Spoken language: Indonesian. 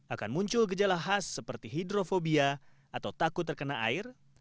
akan muncul gejala khas seperti hidrofobia atau takut terkena air